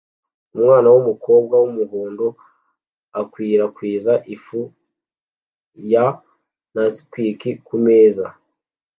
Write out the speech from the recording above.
Umwana wumukobwa wumuhondo akwirakwiza ifu ya Nesquik kumeza